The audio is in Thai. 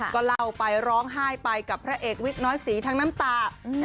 ก็เล่าไปร้องไห้ไปกับพระเอกวิกน้อยสีทั้งน้ำตา